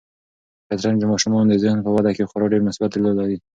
شطرنج د ماشومانو د ذهن په وده کې خورا ډېر مثبت رول لري.